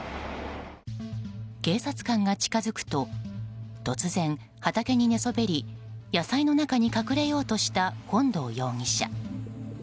警察官が近づくと突然、畑に寝そべり野菜に中に隠れようとした本堂容疑者。